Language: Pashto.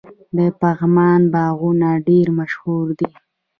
د پغمان باغونه ډیر مشهور دي.